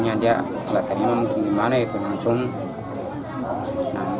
ketika berjalan ke rumah penagi utang menanggung nenek amung hingga akhirnya terjatuh